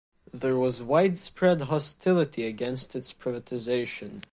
There was widespread hostility against its privatisation.